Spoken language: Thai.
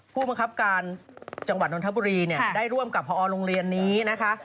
ผู้บังคับการจังหวัดนทบุรีเนี่ยได้ร่วมกับพอโรงเรียนนี้นะคะ